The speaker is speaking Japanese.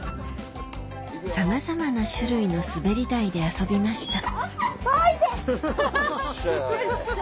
さまざまな種類の滑り台で遊びました痛っ！っしゃ。